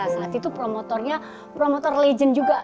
saat itu promotornya promotor legend juga